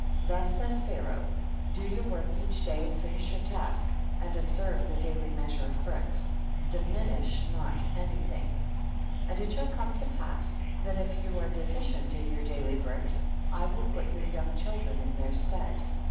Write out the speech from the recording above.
Thus says Pharaoh, do your work each day, and finish your task, and observe the daily measure of bricks ; diminish not any thing. 14. And it shall come to pass that if you are deficient in your daily bricks, I will put your young child ren in their stead.